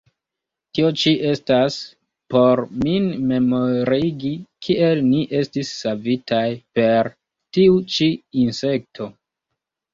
Tio ĉi estas, por min memorigi, kiel ni estis savitaj per tiu ĉi insekto.